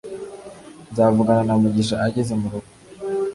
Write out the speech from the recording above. Nzavugana na mugisha ageze murugo